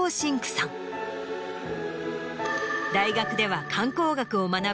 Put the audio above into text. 大学では観光学を学び